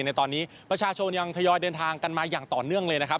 ในตอนนี้ประชาชนยังทยอยเดินทางกันมาอย่างต่อเนื่องเลยนะครับ